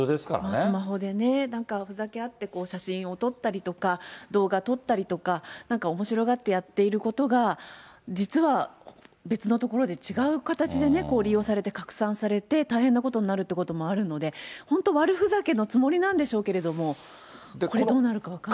スマホでね、なんかふざけ合って写真を撮ったりとか、動画撮ったりとか、なんかおもしろがってやっていることが、実は別のところで違う形でね、利用されて拡散されて、大変なことになるということもあるので、本当、悪ふざけのつもりなんでしょうけれども、これ、どうなるか分かんないですね。